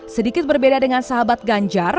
sedikit berbeda dengan sahabat ganjar